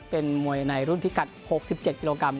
เป็นมวยในรุ่นพิกัด๖๗กิโลกรัม